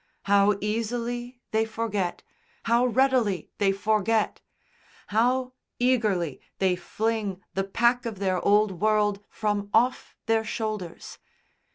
How easily they forget! How readily they forget! How eagerly they fling the pack of their old world from off their shoulders!